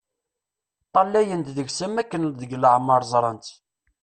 Ṭṭalayen-d deg-s am wakken deg leɛmer ẓran-tt.